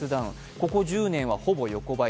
ここ１０年はほぼ横ばい。